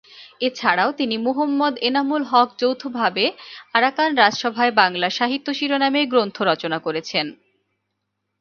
এছাড়াও তিনি ও মুহম্মদ এনামুল হক যৌথভাবে "আরাকান রাজসভায় বাঙ্গালা সাহিত্য" শিরোনামে গ্রন্থ রচনা করেছেন।